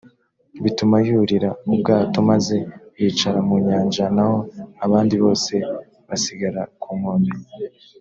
bituma yurira ubwato maze yicara mu nyanja naho abandi bose basigara ku nkombe